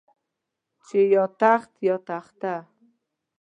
چې يا تخت يا تخته.